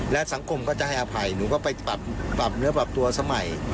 และสังคมก็จะให้อภัยหนูก็ไปปรับเนื้อปรับตัวสมัย